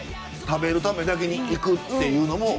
食べるためだけに行くっていうのも納得。